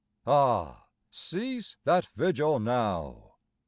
Ah, cease that vigil now!